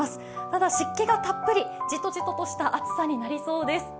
ただ湿気がたっぷり、ジトジトとした暑さになりそうです。